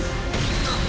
あっ！